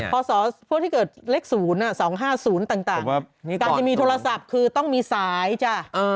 พศพวกที่เกิดเลข๐๒๕๐ต่างการจะมีโทรศัพท์คือต้องมีสายจ้ะ